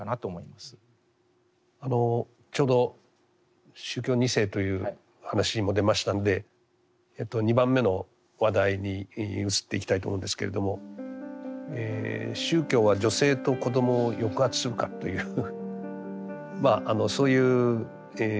ちょうど宗教２世という話も出ましたんで２番目の話題に移っていきたいと思うんですけれども「宗教は女性と子どもを抑圧するか？」というそういう問いをですね